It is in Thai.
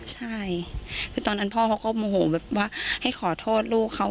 ใช่คือตอนนั้นพ่อเขาก็โมโหแบบว่าให้ขอโทษลูกเขา